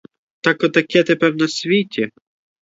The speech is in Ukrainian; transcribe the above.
Так отаке тепер на світі!